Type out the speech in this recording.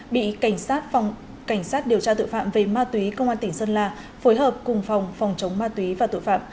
bị cảnh sát điều tra tự phạm về ma túy công an tỉnh sơn la phối hợp cùng phòng phòng chống ma túy và tội phạm